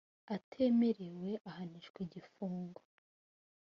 atemerewe ahanishwa igifungo